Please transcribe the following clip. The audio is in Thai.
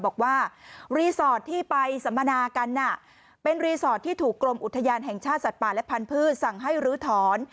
บอกว่ารีสอร์ทที่ไปสัมมนากันน่ะเป็นรีสอร์ทที่ถูกกรมอุทยานแห่งชาติสัตว์ป่าและพันธุ์สั่งให้ลื้อถอน